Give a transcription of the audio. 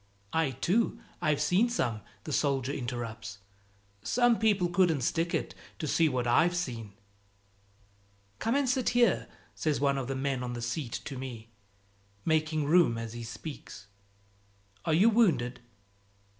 "I too, I've seen some!" the soldier interrupts; "some people couldn't stick it, to see what I've seen." "Come and sit here," says one of the men on the seat to me, making room as he speaks. "Are you wounded?"